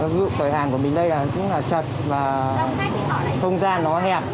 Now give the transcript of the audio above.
ví dụ cởi hàng của mình đây là chật và không gian nó hẹp